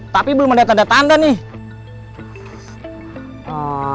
tapi belum melihat tanda tanda nih